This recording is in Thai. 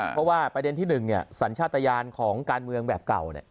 เพราะว่าประเด็นที่๑สัญชาติยานของการเมืองแบบเก่า